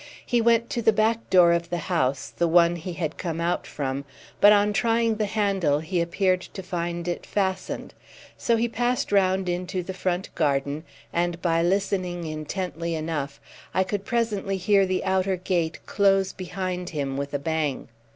He went to the back door of the house, the one he had come out from, but on trying the handle he appeared to find it fastened. So he passed round into the front garden, and by listening intently enough I could presently hear the outer gate close behind him with a bang.